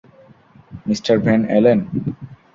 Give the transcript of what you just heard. Mr ভেন এলেন?